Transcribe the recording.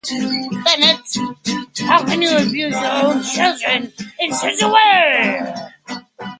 Bennet, how can you abuse your own children in such a way?